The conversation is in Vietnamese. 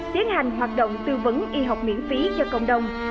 tiến hành hoạt động tư vấn y học miễn phí cho cộng đồng